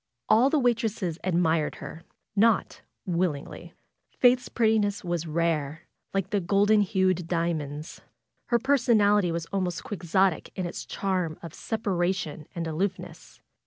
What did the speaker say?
All the waitresses admired her ; not willingly. Faith's prettiness was rare, like the golden hued diamonds. Her personality was almost quixotic in its charm of separation and aloofness.